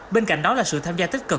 bên cạnh đó là sự tham gia tích cực